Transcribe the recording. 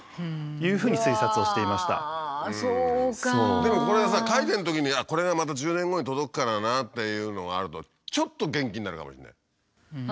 でもこれはさ書いてるときにこれがまた１０年後に届くからなっていうのがあるとちょっと元気になるかもしれない。